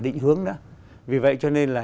định hướng đó vì vậy cho nên là